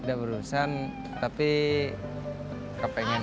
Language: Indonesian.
ada urusan tapi kepengen